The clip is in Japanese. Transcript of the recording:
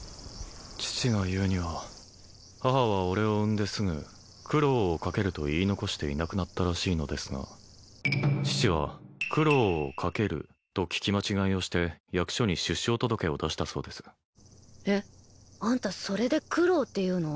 父が言うには母は俺を産んですぐ苦労をかけると言い残していなくなったらしいのですが父は九郎をかけると聞き間違いをして役所に出生届を出したそうですえっあんたそれで九郎っていうの？